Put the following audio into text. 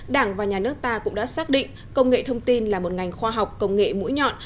đảng và nhà nước ta cũng đã xác định công nghệ thông tin là một ngành khoa học công nghệ mũi nhọn